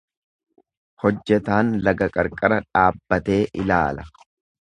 Hojjetaan laga qarqara dhaabbatee ilaala.